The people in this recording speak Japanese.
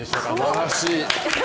すばらしい！